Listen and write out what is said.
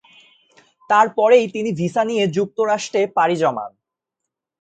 তারপরেই তিনি ভিসা নিয়ে যুক্তরাষ্ট্রে পাড়ি জমান।